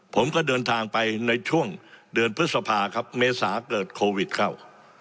ผมก็เดินทางไปในช่วงเดือนพฤษภาครับเมษาเกิดโควิดเข้า